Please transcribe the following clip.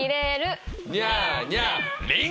ニャーニャー。